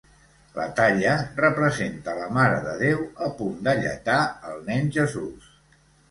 La talla representa la Mare de Déu a punt d'alletar el Nen Jesús.